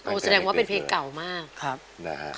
โอ้แสดงว่าเป็นเพลงเก่ามาก